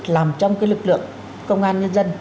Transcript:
làm trong cái lực lượng công an nhân dân